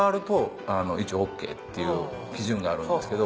っていう基準があるんですけど。